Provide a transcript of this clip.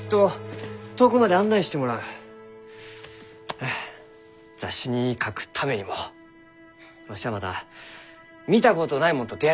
はあ雑誌に書くためにもわしはまだ見たことないもんと出会いたいき。